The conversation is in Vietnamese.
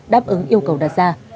đáp ứng yêu cầu đặt ra